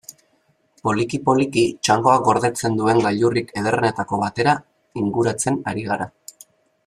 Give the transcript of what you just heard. Poliki-poliki, txangoak gordetzen duen gailurrik ederrenetako batera inguratzen ari gara.